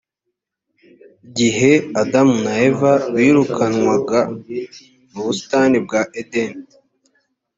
gihe adamu na eva birukanwaga mu busitani bwa edeni